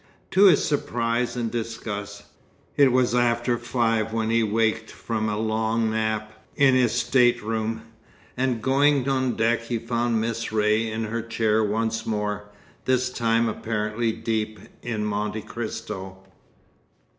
To his surprise and disgust, it was after five when he waked from a long nap, in his stateroom; and going on deck he found Miss Ray in her chair once more, this time apparently deep in "Monte Cristo."